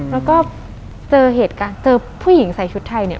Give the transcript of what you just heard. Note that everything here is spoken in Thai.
แล้วก็เจอเหตุการณ์เจอผู้หญิงใส่ชุดไทยเนี่ย